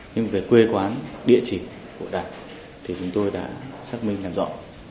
nhưng về quê quán địa chỉ của đạt thì chúng tôi đã xác minh làm rõ